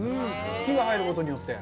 火が入ることによって。